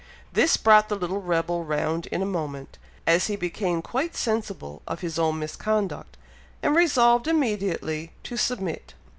This brought the little rebel round in a moment, as he became quite sensible of his own misconduct, and resolved immediately to submit.